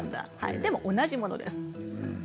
でも同じものです。